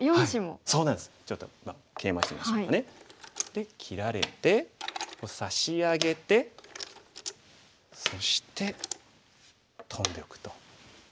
で切られて差し上げてそしてトンでおくと。